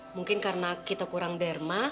mungkin karena kita kurang derma